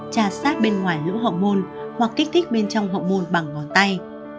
trà sát bên ngoài lũ hậu môn hoặc kích thích bên trong hậu môn bằng ngón tay